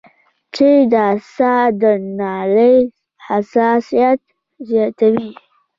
چې د ساه د نالۍ حساسيت زياتوي